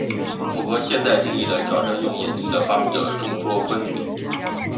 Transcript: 符合现代定义的矫正用眼镜的发明者众说纷纭。